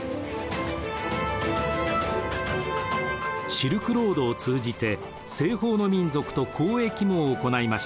シルクロードを通じて西方の民族と交易も行いました。